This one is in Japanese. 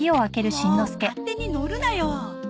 もう勝手に乗るなよ！